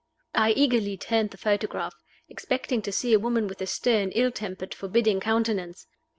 I eagerly turned the photograph, expecting to see a woman with a stern, ill tempered, forbidding countenance.